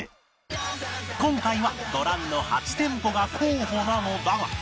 今回はご覧の８店舗が候補なのだが